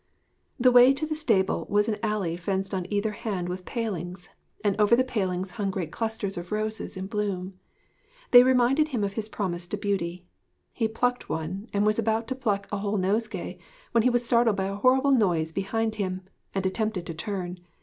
The way to the stable was an alley fenced on either hand with palings, and over the palings hung great clusters of roses in bloom. They reminded him of his promise to Beauty. He plucked one, and was about to pluck a whole nosegay, when he was startled by a horrible noise behind him, and attempted to turn.